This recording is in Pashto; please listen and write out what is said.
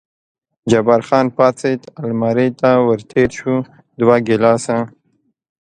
جبار خان پاڅېد، المارۍ ته ور تېر شو، دوه ګیلاسه.